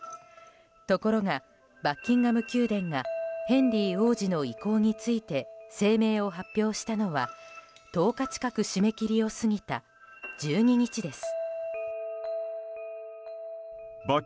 ところが、バッキンガム宮殿がヘンリー王子の意向について声明を発表したのは１０日近く締め切りを過ぎた１２日です。